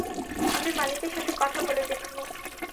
আমি মালিকের সাথে কথা বলে দেখব।